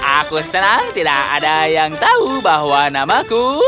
aku senang tidak ada yang tahu bahwa namaku